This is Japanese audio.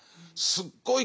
すっごい